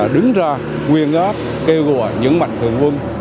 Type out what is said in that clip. đứng ra nguyên góp kêu gọi những mạch thượng quân